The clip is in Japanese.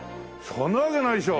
そんなわけないでしょ！